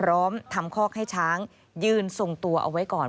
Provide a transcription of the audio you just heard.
พร้อมทำคอกให้ช้างยืนทรงตัวเอาไว้ก่อน